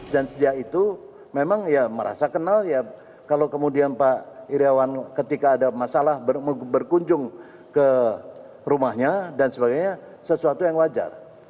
sejak itu memang ya merasa kenal ya kalau kemudian pak iryawan ketika ada masalah berkunjung ke rumahnya dan sebagainya sesuatu yang wajar